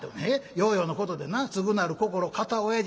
ようようのことでな『すぐなる心堅親父』